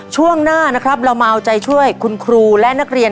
ช่วงหน้านะครับเรามาเอาใจช่วยคุณครูและนักเรียน